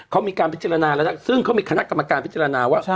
เขามีการพิจารณาแล้วนะซึ่งเขามีคณะกรรมการพิจารณาว่า